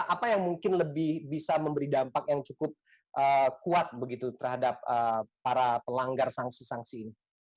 apa yang mungkin lebih bisa memberi dampak yang cukup kuat begitu terhadap para pelanggar sanksi sanksi ini